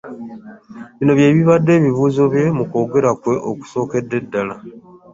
Bino by'ebibadde ebisuubizo bye mu kwogera kwe okusookedde ddala